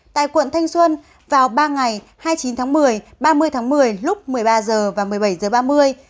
tại quận thanh xuân vào ba ngày hai mươi chín tháng một mươi ba mươi tháng một mươi lúc một mươi ba h và một mươi bảy h ba mươi